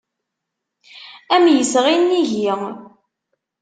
Am yesɣi nnig-i.